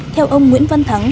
theo ông nguyễn văn thắng